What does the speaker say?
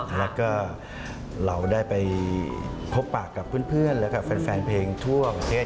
แล้วก็เราได้ไปพบปากกับเพื่อนแล้วก็แฟนเพลงทั่วประเทศ